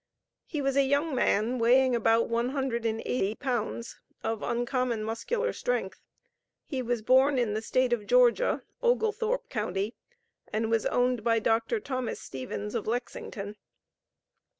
He was a young man, weighing about one hundred and eighty pounds, of uncommon muscular strength. He was born in the State of Georgia, Oglethorpe county, and was owned by Dr. Thomas Stephens, of Lexington.